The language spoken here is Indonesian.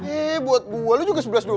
eh buat gua lo juga sebelas dua belas